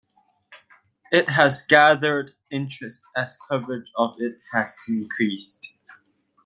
It has gathered interest as coverage of it has increased.